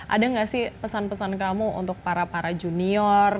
ada nggak sih pesan pesan kamu untuk para para junior